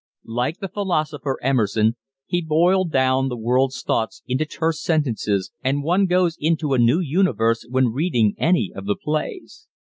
Like the philosopher Emerson he boiled down the world's thoughts into terse sentences and one goes into a new universe when reading any of the plays.